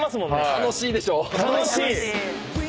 楽しいでしょ？